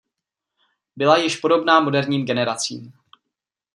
Byla již podobná moderním generacím.